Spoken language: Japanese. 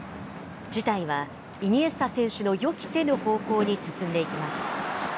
事態はイニエスタ選手の予期せぬ方向に進んでいきます。